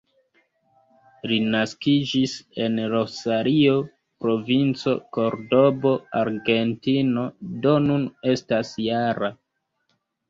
Li naskiĝis en Rosario, Provinco Kordobo, Argentino, do nun estas -jara.